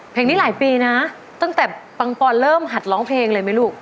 เพลงนี้หลายปีนะตั้งแต่ปังปอนเริ่มหัดร้องเพลงเลยไหมลูก